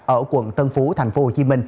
ở quận tân phú tp hcm